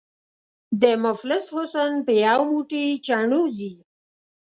” د مفلس حُسن په یو موټی چڼو ځي”